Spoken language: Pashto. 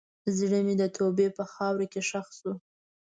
زړه مې د توبې په خاوره کې ښخ شو.